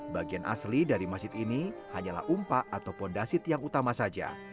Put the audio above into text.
bagian asli dari masjid ini hanyalah umpak atau pondasit yang utama saja